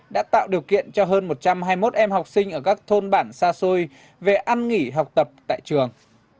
đã tạo điều kiện cho hơn một trăm hai mươi một em học sinh ở các thôn bản xa xôi về ăn nghỉ học tập tại trường